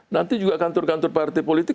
nanti juga kantor kantor partai politik